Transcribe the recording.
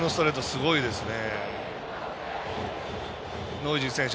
すごいですね。